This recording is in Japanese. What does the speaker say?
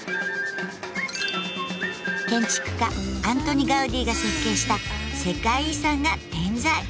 建築家アントニ・ガウディが設計した世界遺産が点在。